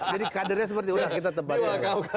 jadi kadernya seperti udah kita tempatnya